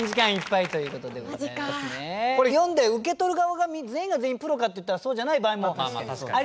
これ読んで受け取る側が全員が全員プロかっていったらそうじゃない場合もありますからね。